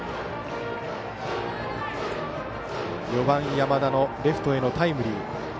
４番、山田のレフトへのタイムリー。